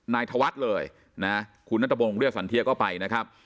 นายธวรรษเลยคุณนัตรบงรุเวียสันเทียก็ไปนะครับ